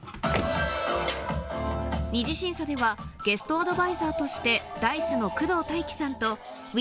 ２次審査ではゲストアドバイザーとしてＤａ−ｉＣＥの工藤大輝さんとｗ